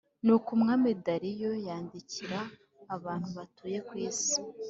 Nuko umwami Dariyo yandikira abantu batuye ku isi